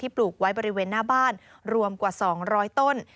ปลูกไว้บริเวณหน้าบ้านรวมกว่า๒๐๐ต้น